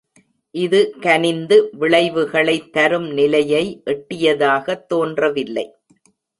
இது கனிந்து விளைவுகளை தரும் நிலையை எட்டியதாக தோன்றவில்லை.